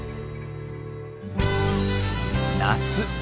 夏。